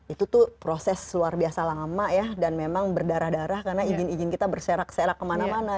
itu tuh proses luar biasa lama ya dan memang berdarah darah karena izin izin kita berserak serak kemana mana